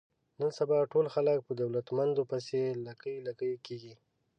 نن سبا ټول خلک په دولتمندو پسې لکۍ لکۍ کېږي.